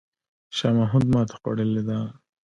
شاه محمود ماته خوړلې ده.